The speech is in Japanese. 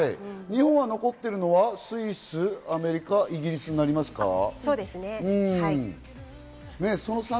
日本は残っているのはスイス、アメリカ、イギリスになりますか？